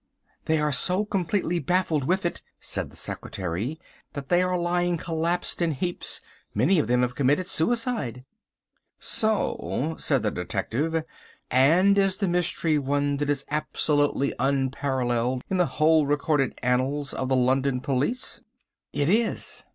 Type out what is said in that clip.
"They are so completely baffled with it," said the secretary, "that they are lying collapsed in heaps; many of them have committed suicide." "So," said the detective, "and is the mystery one that is absolutely unparalleled in the whole recorded annals of the London police?" "It is."